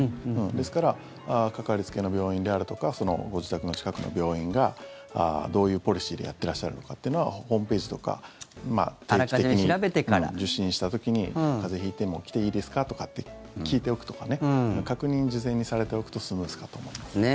ですからかかりつけの病院であるとかご自宅の近くの病院がどういうポリシーでやってらっしゃるのかっていうのはホームページとか定期的に受診した時に風邪引いても来ていいですか？とかって聞いておくとか確認を事前にされておくとスムーズかと思います。